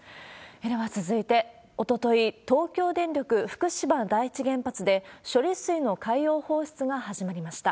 では続いて、おととい、東京電力福島第一原発で、処理水の海洋放出が始まりました。